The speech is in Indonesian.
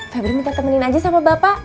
febri minta temenin aja sama bapak